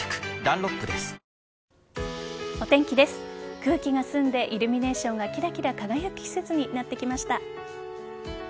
空気が澄んでイルミネーションがキラキラ輝く季節になってきました。